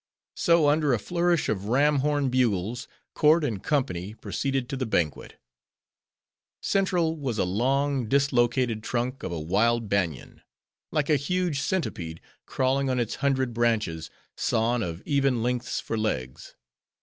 So, under a flourish of ram horn bugles, court and company proceeded to the banquet. Central was a long, dislocated trunk of a wild Banian; like a huge centipede crawling on its hundred branches, sawn of even lengths for legs.